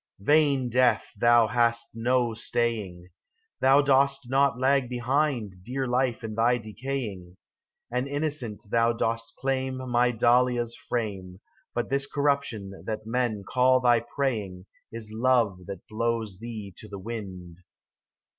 38 VAIN Death, thou hast no staying, Thou dost not lag behind Dear Life in thy decaying ; An instant thou dost claim My Dahlia's frame ; But this corruption that men call thy preying Is love that blows thee to the wind.